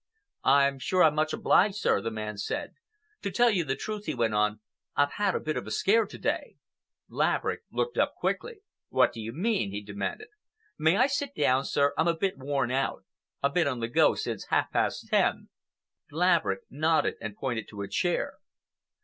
"I'm sure I'm much obliged, sir," the man said. "To tell you the truth," he went on, "I've had a bit of a scare to day." Laverick looked up quickly. "What do you mean?" he demanded. "May I sit down, sir? I'm a bit worn out. I've been on the go since half past ten." Laverick nodded and pointed to a chair.